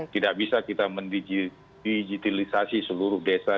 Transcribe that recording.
tidak bisa kita mendigitalisasi seluruh desa